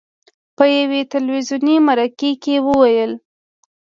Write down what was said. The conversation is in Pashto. په یوې تلویزوني مرکې کې وویل: